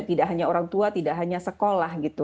tidak hanya orang tua tidak hanya sekolah gitu